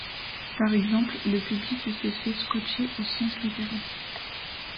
Par exemple, le public s'est fait scotché au sens littéral.